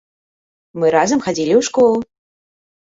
Мы разам хадзілі ў школу.